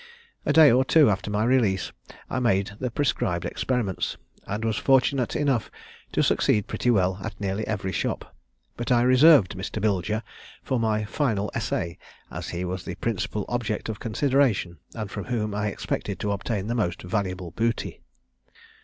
A day or two after my release I made the prescribed experiments, and was fortunate enough to succeed pretty well at nearly every shop; but I reserved Mr. Bilger for my final essay, as he was the principal object of consideration, and from whom I expected to obtain the most valuable booty.